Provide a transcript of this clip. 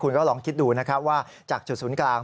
คุณก็ลองคิดดูนะครับว่าจากจุดศูนย์กลาง